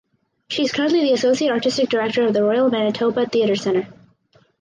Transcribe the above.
She is currently the associate artistic director of the Royal Manitoba Theatre Centre.